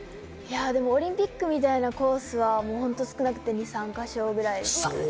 オリンピックみたいなコースは少なくて、２３か所くらい。